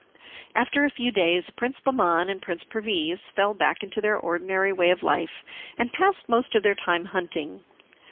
After a few days Prince Bahman and Prince Perviz fell back into their ordinary way of life, and passed most of their time hunting.